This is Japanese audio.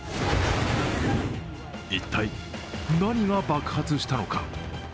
一体、何が爆発したのか。